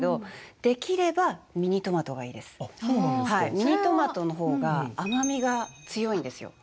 ミニトマトの方が甘みが強いんですよ。